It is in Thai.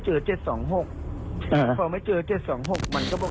เจ็ดสองหกอ่าพอไม่เจอเจ็ดสองหกมันก็บอก